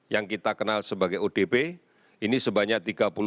yang kita kenal sebagai odp ini sebanyak tiga puluh delapan tujuh ratus enam puluh tujuh